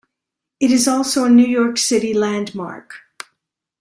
It is also a New York City landmark.